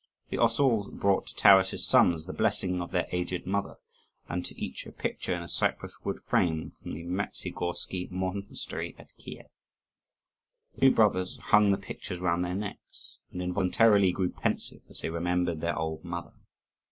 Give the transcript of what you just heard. The osauls brought to Taras's sons the blessing of their aged mother, and to each a picture in a cypress wood frame from the Mezhigorski monastery at Kief. The two brothers hung the pictures round their necks, and involuntarily grew pensive as they remembered their old mother.